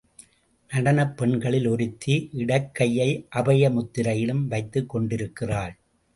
நடனப் பெண்களில் ஒருத்தி இடக்கையை அபய முத்திரையிலும் வைத்துக் கொண்டிருக்கிறாள்.